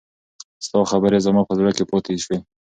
ستا خبرې زما په زړه کې پاتې شوې.